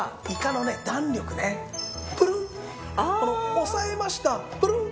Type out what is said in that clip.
押さえましたプルン！